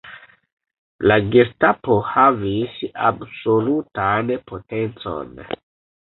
La Gestapo havis absolutan potencon.